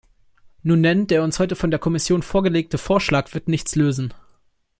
Nun denn, der uns heute von der Kommission vorgelegte Vorschlag wird nichts lösen.